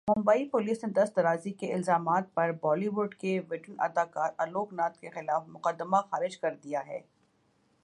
Mumbai police نے درست درازی کے الزامات پر بالی وڈ کے ویٹرن اداکار الوک ناتھ کے خلاف مقدمہ خارج کردیا ہے